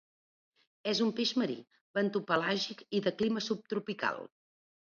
És un peix marí, bentopelàgic i de clima subtropical.